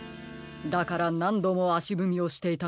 だからなんどもあしぶみをしていたのですね